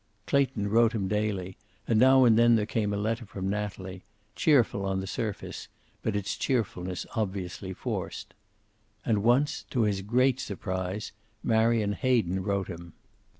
Clayton wrote him daily, and now and then there came a letter from Natalie, cheerful on the surface, but its cheerfulness obviously forced. And once, to his great surprise, Marion Hayden wrote him.